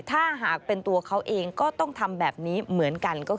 ถ้าหากเป็นตัวเขาเองก็ต้องทำแบบนี้เหมือนกัน